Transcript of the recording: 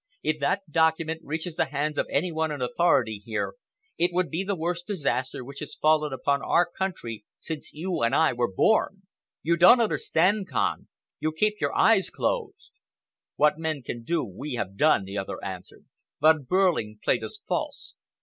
If that document reaches the hands of any one in authority here, it would be the worst disaster which has fallen upon our country since you or I were born. You don't understand, Kahn! You keep your eyes closed!" "What men can do we have done," the other answered. "Von Behrling played us false.